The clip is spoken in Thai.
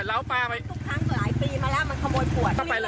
แล้วเขาก็ไปเลยใช่ไหม